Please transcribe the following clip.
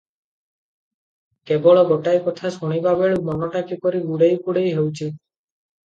କେବଳ ଗୋଟାଏ କଥା ଶୁଣିବାବେଳୁଁ ମନଟା କିପରି ଗୁଡ଼େଇପୁଡ଼େଇ ହେଉଛି ।